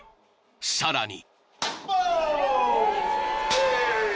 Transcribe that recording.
［さらに］